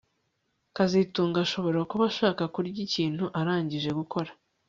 kazitunga ashobora kuba ashaka kurya ikintu arangije gukora